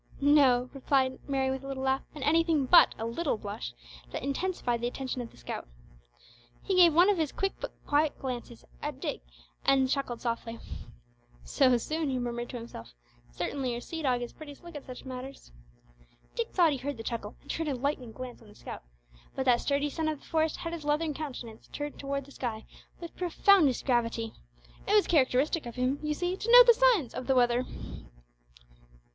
"No," replied Mary with a little laugh, and anything but a little blush, that intensified the attention of the scout. He gave one of his quiet but quick glances at Dick and chuckled softly. "So soon!" he murmured to himself; "sartinly your sea dog is pretty slick at such matters." Dick thought he heard the chuckle and turned a lightning glance on the scout, but that sturdy son of the forest had his leathern countenance turned towards the sky with profoundest gravity. It was characteristic of him, you see, to note the signs of the weather.